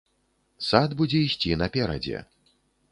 Сад будзе ісці наперадзе!